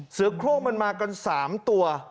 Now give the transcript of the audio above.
เสือโครงมันมากัน๓ตัว